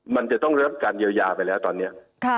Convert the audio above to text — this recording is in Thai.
มันจะต้องรับการเยียวยาไปแล้วตอนนี้